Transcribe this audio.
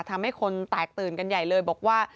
ทำให้คนแตกตื่นกันใหญ่เลยบอกว่า